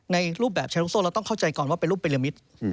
ในรูปแบบชายลูกโซ่เราต้องเข้าใจก่อนว่าเป็นรูปเป็นละมิตร